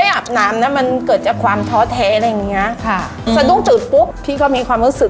อยากให้ลูกค้ารู้